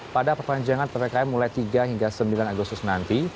pada perpanjangan ppkm mulai tiga hingga sembilan agustus nanti